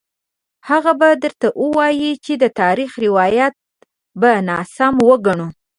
هغه به درته ووايي چې د تاریخ روایت به ناسم وګڼو.